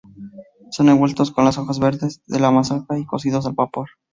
Son envueltos con las hojas verdes de la mazorca y cocidos al vapor.